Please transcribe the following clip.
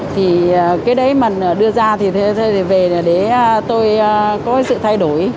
thì cái đấy mà đưa ra thì về là để tôi có sự thay đổi